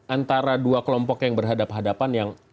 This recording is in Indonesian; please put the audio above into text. antara dua kelompok yang berhadapan hadapan yang